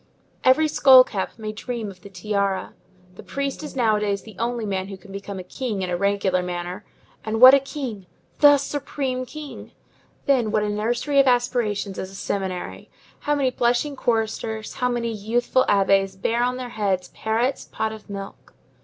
Every skull cap may dream of the tiara. The priest is nowadays the only man who can become a king in a regular manner; and what a king! the supreme king. Then what a nursery of aspirations is a seminary! How many blushing choristers, how many youthful abbés bear on their heads Perrette's pot of milk!